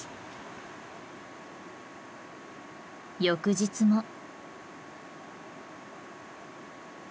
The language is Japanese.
翌日も。